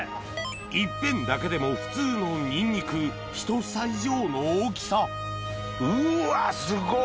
１片だけでも普通のニンニク１房以上の大きさうわすごっ！